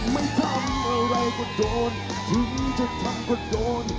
ไม่ทำอะไรก็โดนถึงจะทำก็โดน